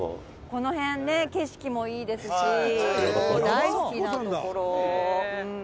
「この辺ね景色もいいですし大好きな所」